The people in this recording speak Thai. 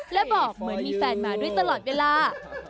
และบอกเหมือนมีแฟนมาด้วยตลอดเวลา